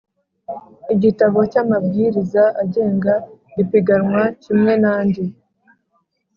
igitabo cy amabwiriza agenga ipiganwa kimwe n andi